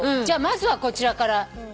じゃあまずはこちらから。